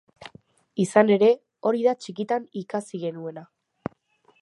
Izan ere, hori da txikitan ikasi genuena.